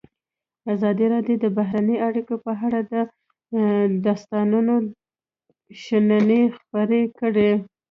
ازادي راډیو د بهرنۍ اړیکې په اړه د استادانو شننې خپرې کړي.